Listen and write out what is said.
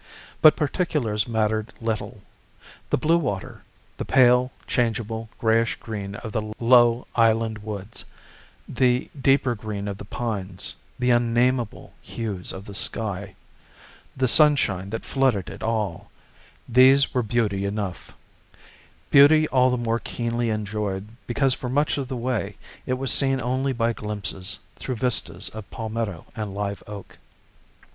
But particulars mattered little. The blue water, the pale, changeable grayish green of the low island woods, the deeper green of the pines, the unnamable hues of the sky, the sunshine that flooded it all, these were beauty enough; beauty all the more keenly enjoyed because for much of the way it was seen only by glimpses, through vistas of palmetto and live oak.